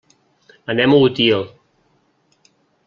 Anem a Utiel.